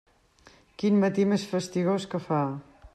Quin matí més fastigós que fa!